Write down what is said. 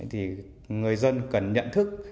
thì người dân cần nhận thức